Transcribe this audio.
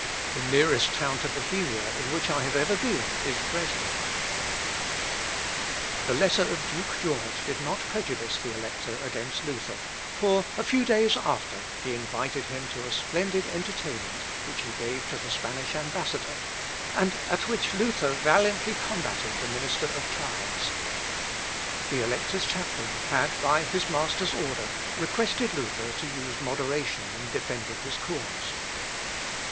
The nearest town to Bohemia in which I have ever been, is Dresden." L. Op. (L.) xvii, p. 281. The letter of Duke George did not prejudice the Elector against Luther, for a few days after he invited him to a splendid entertainment which he gave to the Spanish ambassador, and at which Luther valiantly combated the minister of Charles. The Elector's chaplain had, by his master's order, requested Luther to use moderation in defending his cause.